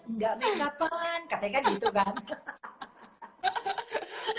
enggak makeup an katanya kan gitu banget